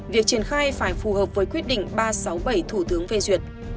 việc triển khai phải phù hợp với quyết định ba trăm sáu mươi bảy thủ tướng phê duyệt